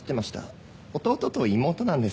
弟と妹なんです。